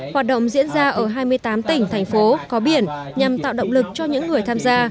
hoạt động diễn ra ở hai mươi tám tỉnh thành phố có biển nhằm tạo động lực cho những người tham gia